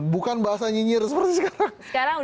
bukan bahasa nyinyir seperti sekarang